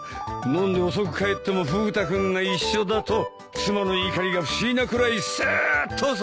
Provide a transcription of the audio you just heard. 飲んで遅く帰ってもフグ田君が一緒だと妻の怒りが不思議なくらいすっと収まるからねぇ。